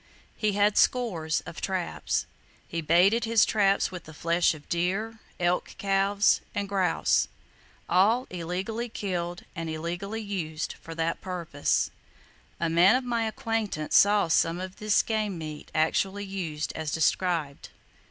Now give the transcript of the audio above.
He had scores of traps. He baited his traps with the flesh of deer, elk calves and grouse, all illegally killed and illegally used for that purpose. A man of my acquaintance saw some of this game meat actually used as described.